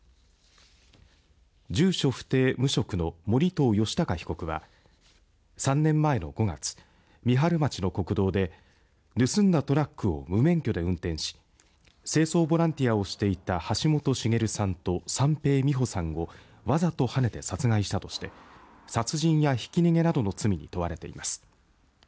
住所不定無職の盛藤吉高被告は３年前の５月、三春町の国道で盗んだトラックを無免許で運転し清掃ボランティアをしていた橋本茂さんと三瓶美保さんをわざとはねて殺害したとして殺人やひき逃げなどの罪に問われています。